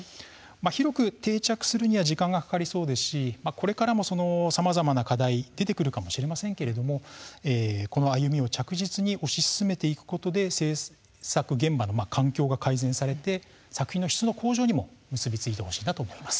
広く定着するには時間がかかりそうですしこれからもさまざまな課題が出てくるかもしれませんけれどもこの歩みを着実に推し進めていくことで制作現場の環境が改善されて作品の質の向上にも結び付いてほしいなと思います。